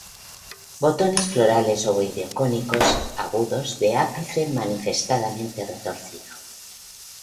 Botones florales ovoideo-cónicos, agudos, de ápice manifiestamente retorcido.